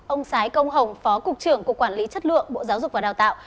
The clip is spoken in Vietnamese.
ông sái công hồng phó cục trưởng cục quản lý chất lượng bộ giáo dục và đào tạo